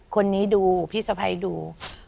คนนี้ดูพี่สภัยดู